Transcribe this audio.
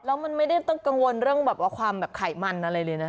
แล้วมันไม่ได้ต้องกังวลเรื่องแบบว่าความแบบไขมันอะไรเลยนะ